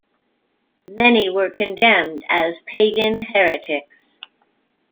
Many were condemned as pagan heretics.